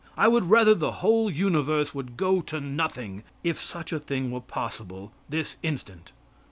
I would rather the whole universe would go to nothing, if such a thing were possible, this instant.